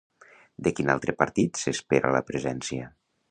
De quin altre partit s'espera la presència?